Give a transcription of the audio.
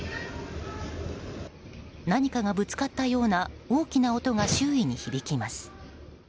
何かがぶつかったような大きな音が周囲に響きます。